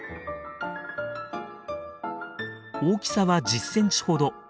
大きさは１０センチほど。